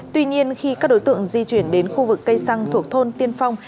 tuy nhiên khi các đối tượng di chuyển đến khu vực cây xăng thuộc thôn tiên phong